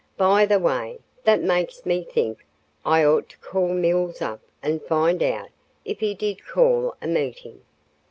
By the way, that makes me think I ought to call Mills up and find out if he did call a meeting.